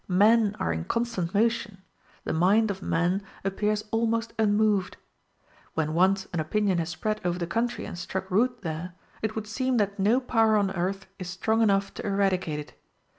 Men are in constant motion; the mind of man appears almost unmoved. When once an opinion has spread over the country and struck root there, it would seem that no power on earth is strong enough to eradicate it.